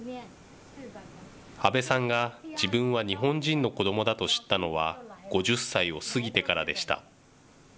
安倍さんが、自分は日本人の子どもだと知ったのは５０歳を過ぎてからでした。